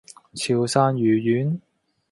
潮汕魚丸